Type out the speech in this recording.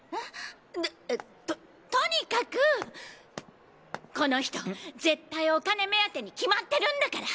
えっ！？ととにかくこの人絶対お金目当てに決まってるんだから！